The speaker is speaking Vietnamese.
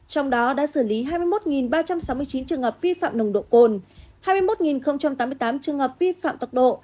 trong đó đã xử lý hai mươi một ba trăm sáu mươi chín trường hợp vi phạm nồng độ cồn hai mươi một tám mươi tám trường hợp vi phạm tốc độ